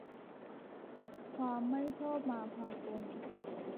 ความไม่ชอบมาพากล